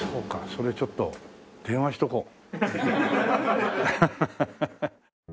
それちょっと電話しとこう。